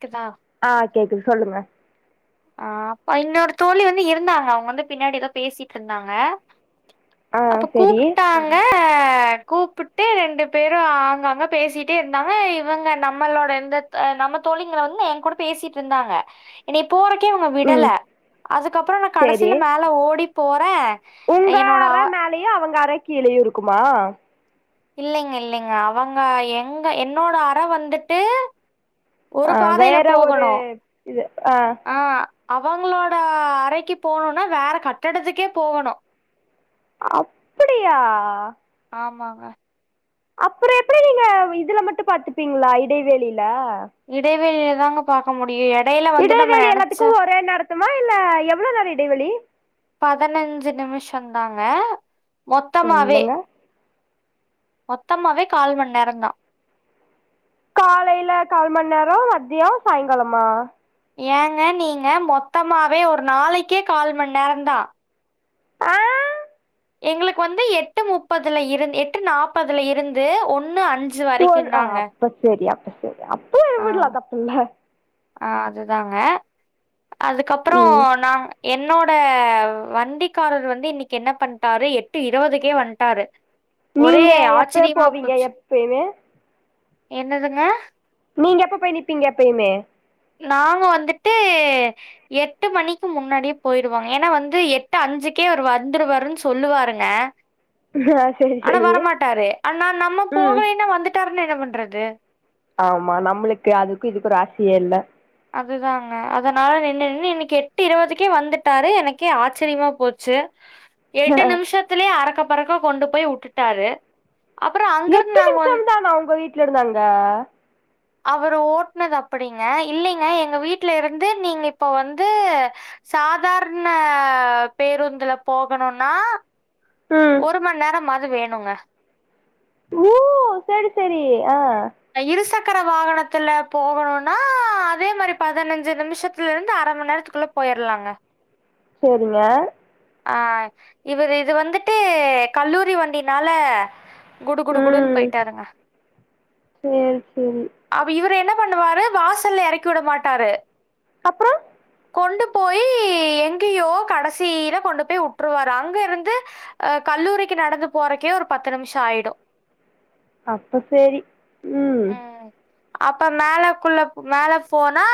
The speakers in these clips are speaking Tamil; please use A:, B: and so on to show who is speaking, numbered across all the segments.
A: க்குதா
B: ஆஹ் கேக்குது சொல்லுங்க
A: ஆஹ் அப்ப இன்னொட தோழவி வந்து இருந்தாங்க அவங்க வந்து பின்னாடி ஏதோ பேசிட்டு இருந்தாங்க
B: ஆ
A: அப்ப
B: செரி
A: கூப்பிட்டாங்க கூப்பிட்டு ரெண்டு பேரு அங்கங்க பேசிட்டே இருந்தாங்க இவங்க நம்மளோட இந்த நம்ம தோழிங்களை வந்து என் கூட பேசிட்டு இருந்தாங்க இனி போறக்கே அவங்க விடல
B: ம்
A: அதுக்கப்புறம் நா
B: செரி
A: கடைசியில மேலே ஓடி போற
B: உங்க அரை மேலயும் அவங்க அரை கீழேயும் இருக்குமா
A: இல்லைங்க இல்லைங்க அவங்க எங்க என்னோட அற வந்துட்டு ஒரு
B: அஹ்
A: பாதையில
B: வேற ஒரு
A: போகணு
B: இது ஆஹ்
A: ஆ அவங்களோட அறைக்கு போணும்னா வேற கட்டடத்துக்கே போகணும்
B: அப்படியா
A: ஆமாங்க
B: அப்புறம் எப்படி நீங்க இதுல மட்டும் பாத்துப்பீங்களா இடைவேளியில
A: இடைவேளிய தாங்க பார்க்க முடியும் இட
B: இடைவேளி எல்லாத்துக்கும் ஒரே நடத்துமா இல்ல எவ்வளோ நிறைய இடைவெளி
A: பதினஞ்சு நிமிஷம் தாங்க மொத்தமாவே
B: என்னங்க
A: மொத்தமாவே கால் மண்நேரந்தான்
B: காலையில கால் மணி நேரம் மத்தியம் சாயங்காலமா
A: ஏங்க நீங்க மொத்தமாவே ஒரு நாளைக்கே கால் மண் நேரம் தான்
B: அஹ்
A: எங்களுக்கு வந்து எட்டு முப்பதுல இருந்து எட்டு நாற்பதுல இருந்து ஒன்
B: ஆ் அப்ப சரியா அப்போ என் விடலாம் தப்புல்ல
A: ஆஹ் அதுதாங்க அதுக்கப்புறம்
B: ம்
A: நான் என்னோட னோட வண்டிக்காரர் வந்து இன்னைக்கு என்ன பண்ணிட்டாரு எட்டு இருபதுக்கே வந்துட்டாரு
B: நீங்க எப்ப போவீங்க எப்பமே
A: என்னதுங்க
B: நீங்க எப்ப போய் நிப்பீங்க எப்பயுமே
A: நாங்க வந்துட்டு எட்டு மணிக்கு முன்னாடியே போயிருவங்க ஏன்னா வந்து எட்டு அஞ்சுக்கே அவரு வந்துருவாருன்னு சொல்லுவாருங்க
B: ஆ செரி
A: ஆனா
B: செரி
A: வரமாட்டாரு ஆனா நம்ம
B: ம்
A: போகலேன்னா வந்துட்டா என்ன பண்றது
B: ஆமா நம்மளுக்கு அதுக்கும் இதுக்கு ஒரு ஆசையே இல்ல
A: அதுதாங்க அதனால நின்னு நின்னு இன்னைக்கு எட்டு இருபதுக்கே வந்துட்டாரு எனக்கே ஆச்சரியமா போச்சு எட்டு நிமிஷத்திலயே அரக்க பறக்க கொண்டு போய் விட்டுட்டாரு
B: எட்டு நிமிஷம் தானா உங்க வீட்டு டுல இருந்து அங்க
A: அவரு ஓட்டுனது அப்படிங்க இல்லைங்க எங்க வீட்டுல இருந்து நீங்க இப்ப வந்து சாதாரண பேருந்துல போகணும்னா
B: ம்
A: ஒரு மணி நேரம் வேணுங்க
B: ஓ செரி சேரி ஆ
A: இரு சக் இருசக்குற வாகனத்துல போகணும்னா அதே மாதிரி பதினஞ்சு நிமிஷத்துல இருந்து அரை மணி நேரத்துக்குள்ள போயிரலாங்க
B: சரிங்க
A: ஆ இவரு இது வந்துட்டு கல்லூரி வண்டினால குடு குடு குடுன்னு போயிட்டாருங்க
B: சரி சரி
A: அப்ப இவரு என்ன பண்ணுவாரு வாசல்ல இறக்கி விட மாட்டாரு
B: அப்புறம்
A: கொண்டு போயி எங்கேயோ கடைசியில கொண்டு போய் விட்டுருவாரு அங்க இருந்து அஹ் கல்லூரிக்கு நடந்து போறக்கே ஒரு பத்து நிமிஷம் ஆயிடும்
B: அப்ப சரி ம்
A: அப்ப மேலக்குள்ள மேல போனா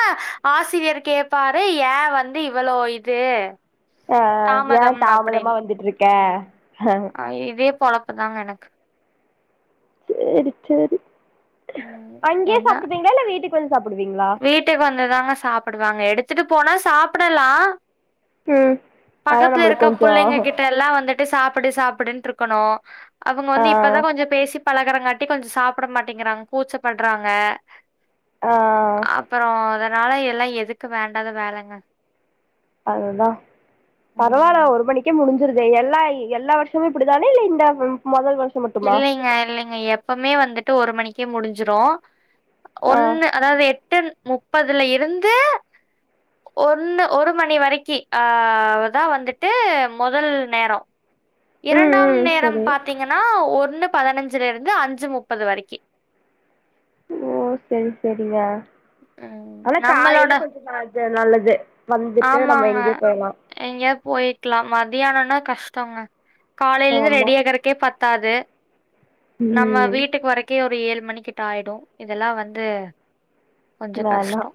A: ஆசிரியர் கேட்பாரு ஏன் வந்து இவளோ இது
B: ஆ ஏன்
A: தாமதம்
B: தாமதமா
A: அப்டின்னு
B: வந்துட்டு இருக்கே
A: பொலப்பு தாங்க எனக்கு
B: சேரி சரி
A: ம்
B: அங்கேயே
A: என்ன
B: சாப்பிட்டுப்பீங்களா இல்ல வீட்டுக்கு வந்து சாப்டுவீங்களா
A: வீட்டுக்கு வந்துதாங்க சாப்பிடுவாங்க எடுத்துட்டு போனா சாப்பிடலா
B: ம் அதா
A: பக்கத்துல
B: நம்மளுக்கு
A: இருக்க
B: கொஞ்சோ
A: பிள்ளைங்க கிட்டலா வந்துட்டு சாப்பிடு சாப்பிடனுட்டு இருக்கணோ அவங்க
B: ஆ
A: வந்து இப்பதா கொஞ்சோ பேசிப் பழகரங்காட்டி கொஞ்சம் சாப்பிட மாட்டேங்கிறாங்க கூச்சப்படுறாங்க
B: ஆ
A: அப்புறோ அதனால எல்லா எதுக்கு வேண்டாத வேலைங்க
B: அதுதா பரவாயில்ல
A: ம்
B: ஒரு மணிக்கே முடிஞ்சு இரு எல்லா எல்லா வருஷமே இப்படிதானே இல்ல இந்த முதல் வருஷம்
A: இல்லைங்க இல்லைங்க எப்பவுமே வந்துட்டு ஒரு மணிக்கு க்க முடிஞ்சிரோ
B: ஆ
A: ஒன்னு அதாவது எ எட்டு முப்பதுல இருந்து ஒன்னு ஒரு மணி வரைக்கி அ அதா வந்துட்டு முதல் நேரோ
B: ம்
A: இரண்டாம்
B: ம்
A: நேரம்
B: சரி
A: பாத்தீங்கன்னா ஒரு ஒண்ணு பதினஞ்சுல இருந்து அஞ்சு முப்பது வரைக்கி
B: ஓ சரி சரிங்க
A: ம் நம்மளோட
B: து நல்லது வந்துட்டு நம்ம
A: ஆமாங்க
B: எங்கயோ போய்லா
A: எங்கயா போய்க்கலா மதியானம்னா கஷ்டங்க காலையிலருந்து
B: ஆமா
A: ரெடி ஆகுறக்கே பத்து த்தாது நம்ம
B: ம்
A: வீட்டுக்கு வரைக்கு ஒரு ஏழு மணிக்கிட்ட ஆயிடு இதெல்லா வந்து கொஞ்சம்
B: வேணா
A: கஷ்டம்.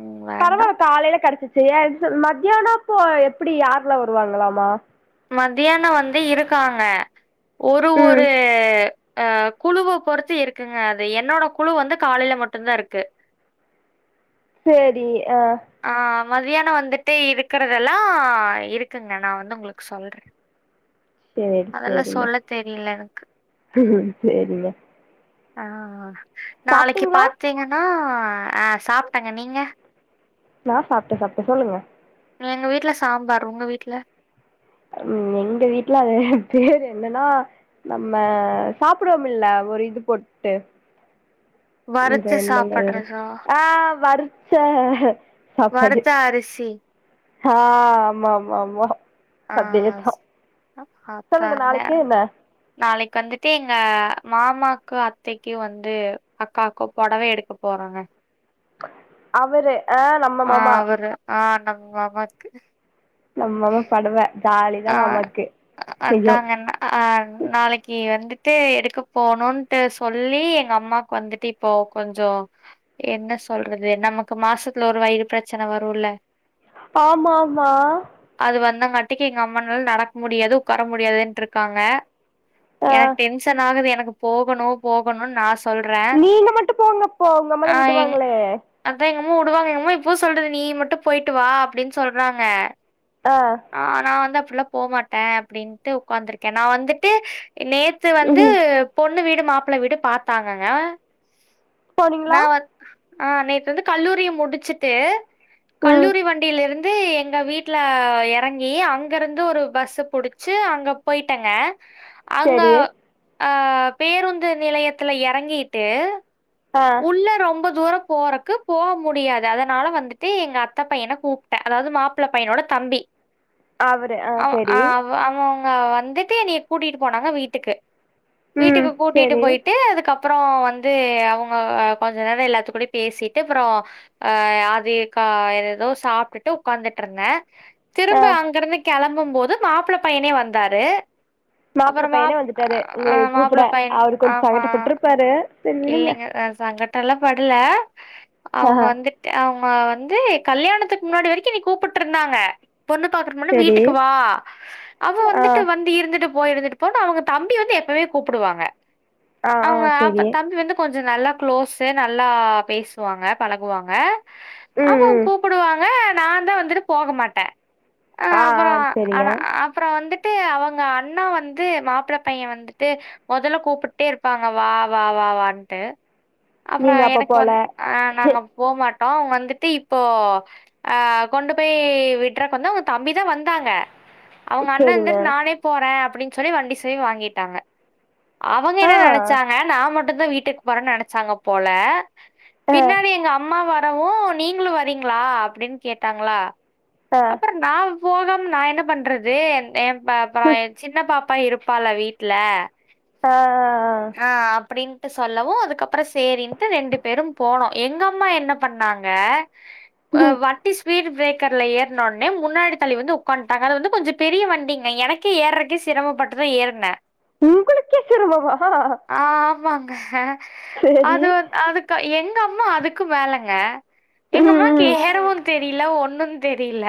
A: ம் வேண்டாம்.
B: பரவால்ல காலையில கெடச்சிச்சி செரியா இது சொல் மத்தியான அப்போ எப்டி யார்லா வருவாங்களாமா
A: மத்தியான வந்து இருக்காங்க ஒரு
B: ம்
A: ஒரு ஆ குழுவ பொறுத்து இருக்குங்க அது என்னோட குழு வந்து காலையில மட்டு தா இருக்கு
B: சேரி ஆ
A: மதியான வந்துட்டே இருக்கிறதெல்லா இருக்குங்க நா வந்து உங்களுக்கு சொல்றே
B: சேர்
A: அதெல்லா
B: சேரிங்க
A: சொல்ல தெரியல எனக்கு
B: சேரிங்க
A: ஆஹ் நாளைக்கு
B: சாப்ட்டீங்களா
A: பாத்தீங்கன்னா ஆ சாப்ட்டேங்க நீங்க
B: நா சாப்ட்டே சாப்ட்டே சொல்லுங்க
A: ஆ எங்க வீட்ல சாம்பார் உங்க வீட்ல
B: உ எங்க வீட்ல அது பேரு என்னனா நம்ம சாப்புடுவோம்மில்ல ஒரு இது போட்டு இந்த
A: வறுத்து
B: என்னங்க வேற
A: சாப்பட்றதா
B: அ வறுச்ச சாப்பாடு
A: வறுத்த அரிசி
B: ஆ ஆமா ஆமா ஆமா
A: ஆ
B: அதேதா சொல்லுங்க
A: அத்தான
B: நாளைக்கு என்ன
A: நாளைக்கு வந்துட்டு எங்க மாமாக்கு அத்தைக்கு வந்து அக்காக்கு பொடவ எடுக்க போறோங்க
B: அவரு ஆ நம்ம மாமா
A: நம் மாமாக்கு
B: நம் மாமா பொடவ
A: ஆ அதாங்க என்ன ஆ நாளக்கி வந்து ட்டு எடுக்க போணுட்டு சொல்லி எங்க அம்மாக்கு வந்துட்டு இப்போ கொஞ்சோ என்ன சொல்றது நமக்கு மாசத்துல ஒரு வயிறு பெரச்சன வருல
B: ஆமா ஆமா
A: ட்டிக் கி எங்க அம்மானால நடக் முடியாது உக்கார முடியாதுன்ட்டுருக்காங்க
B: ஆ
A: எனக் டென்ஷன் ஆகுது எனக் போகணு போகணுன் நா ஸ்
B: நீங்க மட்டு போங்கப்போ உங்க அம்மல விடுவாங்ளே
A: ம் உடுவாங்க எங்கம்மோ இப்போ சொல்றது நீ மட்டு போயிட்டு வா அப்டின் சொல்றாங்க
B: அ
A: ஆ நா வந்து அப்புட்லா போ மாட்ட அப்டின்ட்டு உக்காந்திருக்கே நா வந்துட்டு நேத்து வந்து
B: ம்
A: பொன் து வீடு மாப்ள வீடு பாத்தாங்கங்க
B: போனீங்களா
A: நா வந் அ நேத்து வந்து கல்லூரிய முடிச்சிட்டு
B: ம்
A: கல்லூரி வண்டிலிரு து எங்க வீட்ல எறங் ஏ அங்கருந்து ஒரு பஸ்ஸ புடிச்சி அங்க போயிட்டங்க அங்க
B: சரி
A: ஆ பேருந்து நிலையத்துல எறங்கிட்டு
B: ஆ
A: உள்ள ரொம்ப தூர போறக்கு போக முடியாது அதனால வந்துட்டு எங்க அத்த பையன கூப்ட அதாவது மாப்ள பையனோட தம்பி
B: அவரு ஆ
A: அவ்
B: சரி
A: ஆவ அவ்வ அ வந்துட்டு என்னய கூட்டிட்டு போனாங்க வீட்டுக்கு
B: ம்
A: வீட்டுக்கு கூட்டிட்டு
B: சரி
A: போயிட்டு அதுக்கப் அப்பற வந்து அவுங் ஆ கொஞ்ச நேரம் எல்லாத்து கூட பேசிட்டு அப்பறம் அ அது க ஏதோ சாப்டுட்டு உட்காந்துட்டு இருந்தே
B: ஆ
A: திரும்ப அங்க இருந்து களம்பி ரும்பு போது மாப்பிள்ள பையனே வந்தாரு
B: மாப்பிள்ள
A: அப்புறம்
B: பையனே
A: மாப்
B: வந்துட்டாரு
A: அ
B: உங்களை கூப்பிட
A: மாப்பிள
B: அவுரு கொஞ்சம் சங்கட்டப்பிருப்பாரு
A: இல்லிங்க அ ச அங்கட்ட எல்லாம் படல
B: ஆ
A: அவுங்க வந்துட்டு அவு மா வந்து கல்யாணத்துக்கு முன்னாடி வரைக்கும் எனைய கூப்டுட்டு இருந்தாங்க பொண்ணு பாக்குற முன்னாடி
B: சரி
A: வீட்டுக்கு வா அவ
B: ஆ
A: வந்துட்டு வந்து இருந்துட்டு போ இருந்துட்டு போனு அவங்க தம்பி வந்து எப்பமே கூப்புடுவாங்க
B: அ அ செரி
A: வந்து கொஞ்சொ நல்லா க்ளோஸு நல்லா பேசுவாங்க பழகுவாங்க
B: ம்
A: ஆமா
B: ம்
A: கூப்டுவாங்க நாந்தா வந்துட்டு போக மாட்ட ஆ அப்பறொ ஆன அப்பறொ வந்துட் டு அவங்க அண்ணா வந்து மாப்ள பைய வந்துட்டு மொதல்ல கூப்புட்டே இருப்பாங்க வா வா வா வான்ட்டு அப்றொ
B: நீங்க அப்ப
A: எனக்கு
B: போல
A: வந் அ நாங்க போமாட் டோ அவ்ங் வந்துட்டு இப்போ ஆ கொண்டு போய் விட்றக் வந்து அவுங்க தம்பிதா வந்தாங்க அவ்ங்க அண்ண
B: சரிங்க
A: இர்ந்துட்டு நானே போற அப்டி சொல்லி வண்டி சாயி வாங்கிட்டாங்க அவங்க
B: ஆ
A: என்ன நெனச்சா ங்க நா மட்டுந்தா வீட்டுக் போறன் நெனச்சாங்க போல
B: ஆ
A: பின்னாடி எங்க அம்மாவ [unintelligible] நீங்களும் வரீங்களா அப்படின்னு கேட்டாங்களா
B: ஆ
A: அப்புற தா போகாம நா என்ன பண்றது அ அப்புறம் சின்ன பா அப்பா இருப்பால வீட்டுல
B: ஆஹ்்
A: ஆஹ் அப்படின் டு சொல்லவும் அதுக்கப்புறம் சேரின்ட்டு ரெண்டு பேரும் போனோம் எங்க அம்மா என்ன பண்ணாங்க அ
B: ஆ
A: வட்டி ஸ்பீட் பிரேக் கறல ஏறனோடனே முன்னாடி தள்ளி வந்து உட்காட்டாங்க அது வந்து கொஞ்சம் பெரிய வண்டிங்க எனக்கே ஏறக்கே சிரமப்பட்டுதான் ஏறனே
B: உங்களுக்கே சிரமவா
A: ஆஹ் ஆமா அஹ
B: சரி
A: அது அதுக்கு என் அம்மா அதுக்கும் வேலைங்க
B: ம்
A: எங்கம்மா
B: ம்
A: கிஹருவு தே தெரியல ஒன்னும்ன்னு தெரியல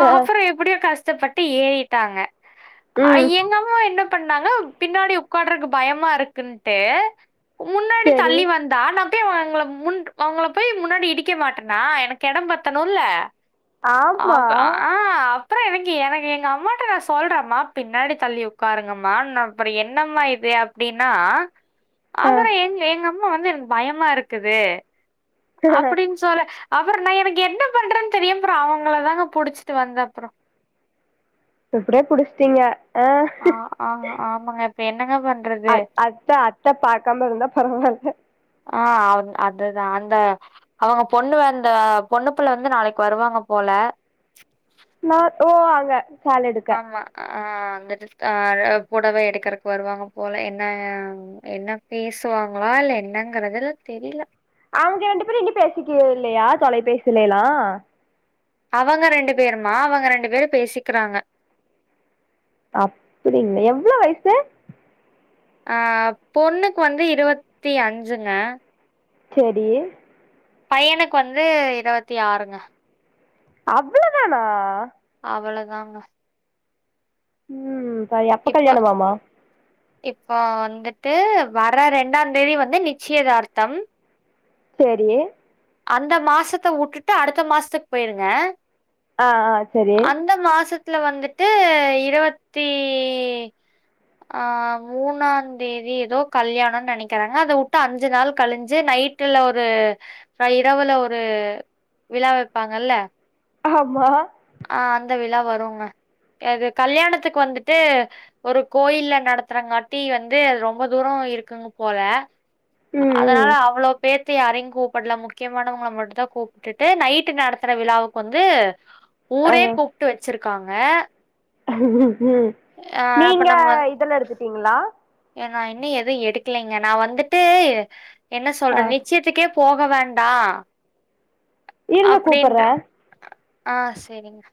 A: அ
B: ஆ
A: அப்புறம் எப்படியோ கஷ்ட டப்பட்டு ஏறிட்டாங்க
B: ம்
A: அஐயங்காம என்ன பண்ணாங்க பின்னாடி உட்காரக்கு பயமா இருக்குன்ட்டு முன்னாடி
B: சரி
A: தள்ளி வந்தா நா போய் அவுங்கள அவுங்கள பெய் மு முன்னாடி இடிக்க மாட்டேனா எனக்கு இடம் பத்தணும்ல ஆ
B: ஆமா
A: ஆஹ் அப்புறம் எனக்கு எனக்கு எங்க அம்மாகிட்ட நான் சொல்றேமா பின்னாடி தள்ளி உட்காருங்கம்மா அப்புறம் என்னம்மா இது அப்படின்னா
B: ஆ
A: ஆற எங்க எங்க அம்மா வந்து இருந்த பயமா இருக்குது அப்படின்னு சொல்ல அப்புறம் நான் எனக்கு என்ன பண்றேன்னு தெரியும் அப்புறம் அவங்கள தாங்க புடிச்சிட்டு வந்த அப்புறோம்
B: இப்படியே புடிச்சிட்டீங்க ஆ
A: ஆஹ் ஆஹ் ஆமாங்க இப்ப என்னங்க பண்றது?
B: அ அத்த அத்த பா்க்காம இருந்தா பரவாயில்லை
A: ஆஹ் அவ அதுதான் அந்த அவங்க பொண்ணு அந்த பொண்ணுப்புள்ள வந்து நாளைக்கு வருவாங்க போல
B: நா ஒ அவ சால் எடுக்க
A: ஆஹ் அந்த டிரஸ் ஆஹ் அ பொடவை எடுக்கறக்கு வருவாங்க போல என்ன என்ன பேசுவாங்களா இல்ல என்னங்கறது தெரில
B: அவுங்க ரெண்டு பேரு இன்னு பேசிக்கேல்லையா தொலைபேசலல்லா
A: அவங்க ரெண்டு பேருமா அவங்க ரெண்டு பேரும் பேசிக்கறாங்க
B: அப்படிங்களா எவ்ளோவு வயசு
A: அஹ் பொண்ணுக்கு வந்து இருவத்தி அஞ்சுங்க
B: செரி
A: பையனுக்கு வந்து இருவத்தி ஆறுங்க
B: அவ்ளோ தானா
A: அவ்ளோதாங்க
B: உம் அ எப்ப கல்யாணம்மாம்மா
A: இப்ப வந்துட்டு வர்ற ரெண்டாந் தேதி வந்து நிச்சியதார்த்தம்
B: சேரி
A: அந்த மாசத்த உட்டுட்டு அடுத்த மாசத்துக்கு போய்ருங்க
B: அ அ செரி
A: துல வந்துட்டு இருவத்தி ஆ மூணாந் தேதி ஏதோ கல்யாணோன் நெனக்கிறங்க அத உட்டு அஞ்சு நாள் கழிஞ்சு நைட்டுல ஒரு இரவுல ஒரு விழா வெப்பாங்கல்ல
B: ஆமா
A: ஆ அந்த விழா வருங்க அது கல்யாணத்துக்கு வந்துட்டு ஒரு கோயில்ல நடத்துறங்காட்டி வந்து அது ரொம்ப தூரொ இருக்குங்க போல
B: ம்
A: அதுனால
B: ம்
A: அவ்ளோ பேத் தையு யாரையுங் கூப் பட்ல முக்கியமானவங்கள மட்டுந்தா கூப்ட்டுட்டு நைட்டு நடத்துற விழாவுக்கு வந்து
B: ஆ
A: ஊரே கூப்ட்டு வச்சிருக் காங்க
B: ம்
A: அப்ப
B: நீங்க இதுலா எடுத்துட்டீங்களா
A: நா இன்னு எது எடுக்கலைங்க நா வந்துட்டு என்ன
B: ஆ
A: சொல்ற நிச்சயத்துக்கே போக வேண்டா
B: இருங்க கூப்புர்ற
A: ஆ சேரிங்க